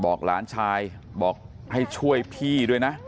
หลานชายบอกให้ช่วยพี่ด้วยนะ